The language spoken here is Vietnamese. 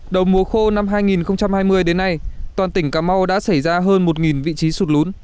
đầu mùa khô năm hai nghìn hai mươi đến nay toàn tỉnh cà mau đã xảy ra hơn một vị trí sụt lún